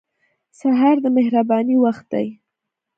سهار د مهربانۍ وخت دی.